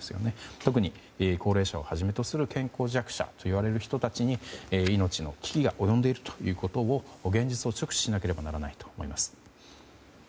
特に高齢者をはじめとする健康弱者といわれる人たちに命の危機が及んでいるということを現実を直視しなければならないと思います。